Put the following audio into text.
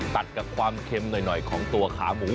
ตัดกับความเค็มหน่อยของตัวขาหมู